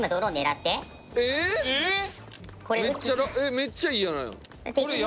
めっちゃいいやないの。